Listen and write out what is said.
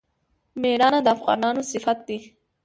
میړانه د افغانانو صفت دی.